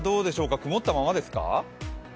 曇ったままですか？